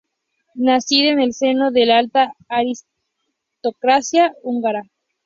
Nacida en el seno de la alta aristocracia húngara.